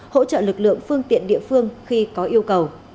hỗ trợ lực lượng phương tiện địa phương khi có yêu cầu